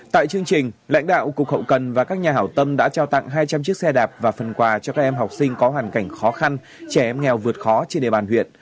tại chương trình lãnh đạo cục hậu cần và các nhà hảo tâm đã trao tặng hai trăm linh chiếc xe đạp và phần quà cho các em học sinh có hoàn cảnh khó khăn trẻ em nghèo vượt khó trên địa bàn huyện